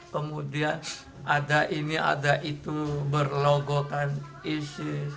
kemudian ada ini ada itu berlogokan isis